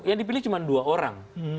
yang dipilih cuma dua orang